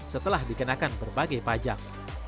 setelah dikenakan berbagai pajak